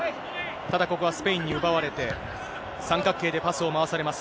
ただここはスペインに奪われて、三角形でパスを回されます。